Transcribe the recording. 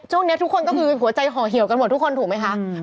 ช่วงนี้ทุกคนก็คือผัวใจห่อเหี่ยวกันหมดทุกคนถูกไหมคะอืม